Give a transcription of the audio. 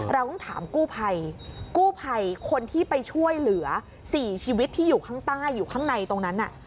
เราต้องถามกู้ภัยคนที่ไปช่วยเหลือ๔ชีวิตที่อยู่ข้างในตรงนั้น